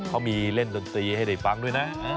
เขามีเล่นดนตรีให้ได้ฟังด้วยนะ